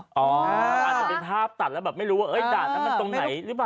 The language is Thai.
อาจจะเป็นภาพตัดแล้วแบบไม่รู้ว่าด่านนั้นมันตรงไหนหรือเปล่า